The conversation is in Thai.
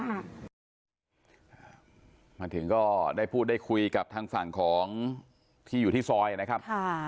มาถึงก็ได้พูดได้คุยกับทางฝั่งของที่อยู่ที่ซอยนะครับค่ะ